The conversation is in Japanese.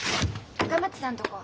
赤松さんとこ。